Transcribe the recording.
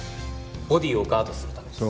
ボディーをガードするためです。